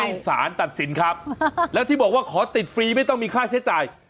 สารตัดสินครับแล้วที่บอกว่าขอติดฟรีไม่ต้องมีค่าใช้จ่าย